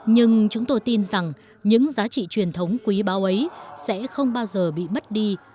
nhưng chúng tôi tin rằng những giá trị truyền thống quý báu ấy sẽ không bao giờ bị mất đi